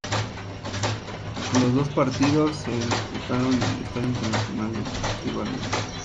Todos los partidos se disputaron en el Estadio Internacional de Trivandrum.